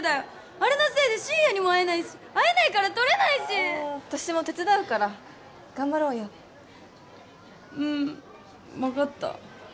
あれのせいでシューヤにも会えないし会えないから撮れないし私も手伝うから頑張ろうようん分かった